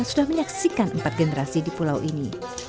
sudah menyaksikan empat generasi di pulau ini